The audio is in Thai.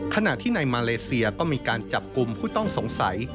ขณะที่ในมาเลเซียก็มีการจับกลุ่มผู้ต้องสงสัย